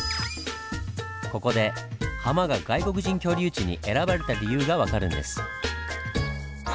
ここでハマが外国人居留地に選ばれた理由が分かるんです。